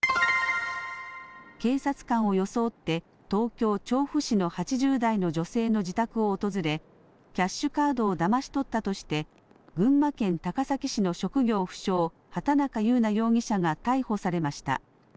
警察官を装って、東京・調布市の８０代の女性の自宅を訪れ、キャッシュカードをだまし取ったとして、群馬県高崎市の職業不詳、畑中優奈容疑者が逮捕されました。